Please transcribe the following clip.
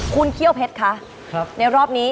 คุณเครียวเพชรค่ะ